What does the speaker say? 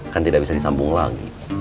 kan tidak bisa disambung lagi